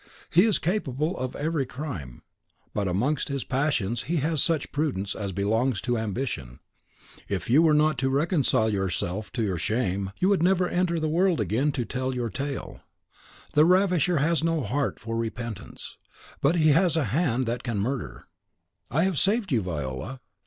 He is capable of every crime; but amongst his passions he has such prudence as belongs to ambition; if you were not to reconcile yourself to your shame, you would never enter the world again to tell your tale. The ravisher has no heart for repentance, but he has a hand that can murder. I have saved you, Viola.